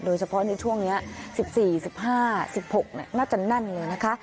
โดยเฉพาะในช่วงเนี้ยสิบสี่สิบห้าสิบหกเนี้ยน่าจะนั่นเลยนะคะ